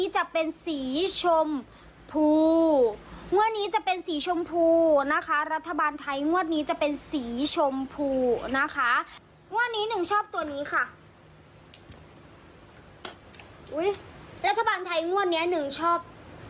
แล้วธรรพาณไทยของวันนี้หนึ่งชอบ